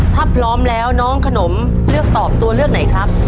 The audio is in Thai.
ถ้าพร้อมแล้วน้องขนมเลือกตอบตัวเลือกไหนครับ